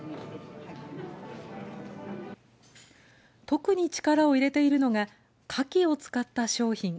特に力を入れているのがかきを使った商品。